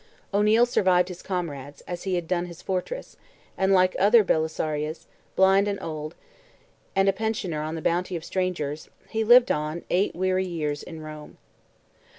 O'Neil survived his comrades, as he had done his fortunes, and like another Belisarius, blind and old, and a pensioner on the bounty of strangers, he lived on, eight weary years, in Rome.